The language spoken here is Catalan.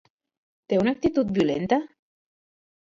Té una actitud violenta?